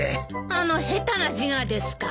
あの下手な字がですか？